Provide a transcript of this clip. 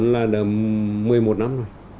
hai mươi bốn là một mươi một năm